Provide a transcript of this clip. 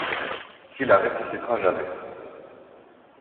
Qui la ressuscitera jamais?